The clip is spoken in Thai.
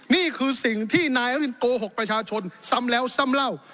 นี่คือสิ่งที่นายอรินโกหกประชาชนซ้ำแล้วซ้ำเล่า